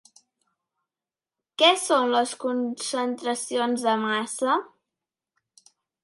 Què són les concentracions de massa?